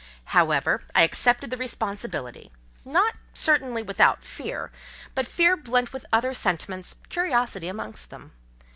However, I accepted the responsibility—not, certainly, without fear, but fear blent with other sentiments, curiosity, amongst them.